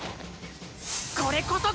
これこそが！